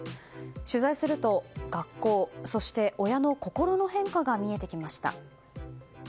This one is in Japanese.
取材すると学校そして親の心の変化が見えてきました。